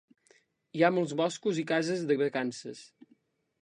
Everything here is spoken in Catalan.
Hi ha molts boscos i cases de vacances.